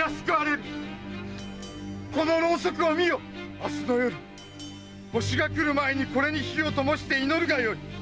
明日の夜星がくる前にこれに灯をともして祈るがよい！